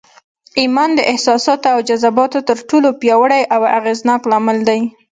ايمان د احساساتو او جذباتو تر ټولو پياوړی او اغېزناک لامل دی.